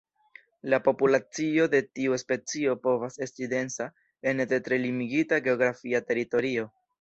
La populacio de tiu specio povas esti densa ene de tre limigita geografia teritorio.